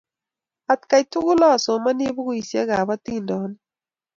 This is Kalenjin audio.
Atkan tukul asomani pukuisyek ap atindyonik